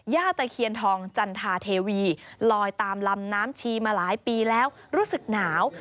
ตะเคียนทองจันทาเทวีลอยตามลำน้ำชีมาหลายปีแล้วรู้สึกหนาว